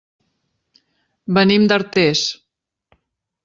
Venim d'Artés.